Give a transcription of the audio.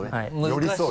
寄り添う。